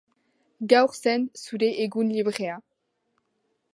Gaur zen zure egun librea...